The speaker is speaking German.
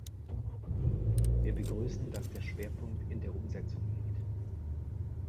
Wir begrüßen, dass der Schwerpunkt in der Umsetzung liegt.